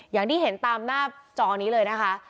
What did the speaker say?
อย่างที่เห็นตามหน้าจอนี้เลยนะคะ